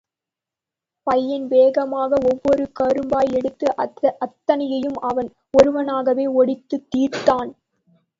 பையன் வேகமாக ஒவ்வொரு கரும்பாய் எடுத்து, அத்தனையையும் அவன் ஒருவனாகவே ஒடித்துத் தீர்த்தான்.